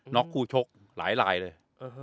็อกคู่ชกหลายลายเลย